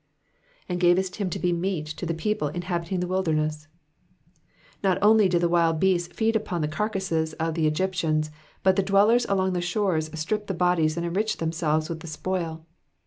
"''And gavest him to be meat to the people inhabiting the wilderness.''^ Not only did the wild beasts feed upon the carcasses of the Egyptians, but the dwellers along the shores stripped the bodies and enriched themselves with the spoil.